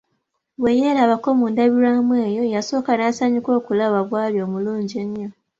Bwe yeerabako mu ndabirwamu eyo, yasooka n'asanyuka okulaba bw'ali omulungi ennyo.